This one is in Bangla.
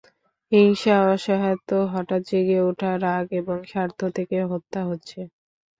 হিংসা, অসহায়ত্ব, হঠাৎ জেগে ওঠা রাগ এবং স্বার্থ থেকে হত্যা হচ্ছে।